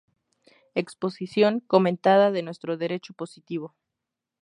Exposición comentada de nuestro Derecho positivo".